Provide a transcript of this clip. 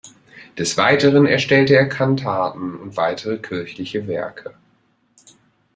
Des Weiteren erstellte er Kantaten und weitere kirchliche Werke.